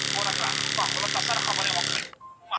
هغه وایي چې د هر فصل حاصل د الله تعالی یو لوی نعمت دی.